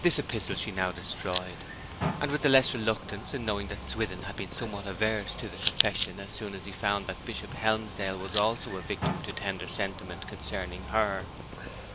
This epistle she now destroyed and with the less reluctance in knowing that Swithin had been somewhat averse to the confession as soon as he found that Bishop Helmsdale was also a victim to tender sentiment concerning her.